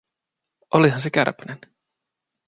Olihan se kärpänen?